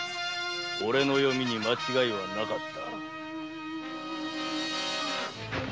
オレの読みに間違いはなかった。